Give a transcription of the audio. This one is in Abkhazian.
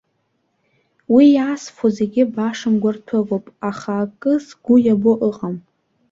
Уа иаасфо зегьы баша мгәарҭәыгоуп, акы сгәы иабо иҟам.